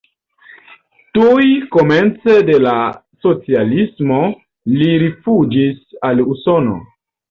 Tuj komence de la socialismo li rifuĝis al Usono.